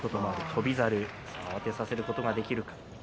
翔猿、慌てさせることができるか。